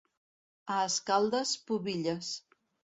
A Escaldes, pubilles.